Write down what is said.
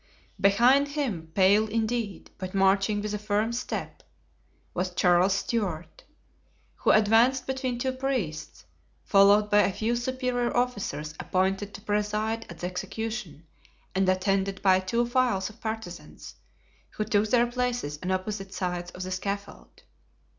Behind him, pale indeed, but marching with a firm step, was Charles Stuart, who advanced between two priests, followed by a few superior officers appointed to preside at the execution and attended by two files of partisans who took their places on opposite sides of the scaffold.